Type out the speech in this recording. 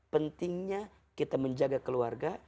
pentingnya kita menjaga keluarga